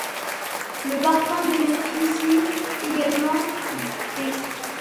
Le parfum bénéficie également d'.